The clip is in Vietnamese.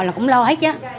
là cũng lo hết chứ